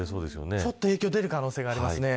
ちょっと影響が出る可能性がありますね。